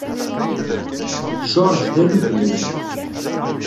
George d Alubnani.